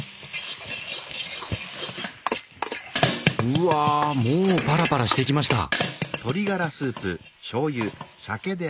うわもうパラパラしてきました！